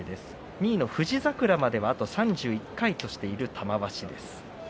２位の富士櫻まではあと３１回としている玉鷲です。